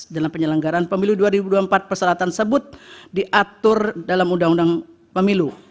dalam penyelenggaraan pemilu dua ribu dua puluh empat persyaratan tersebut diatur dalam uu pemilu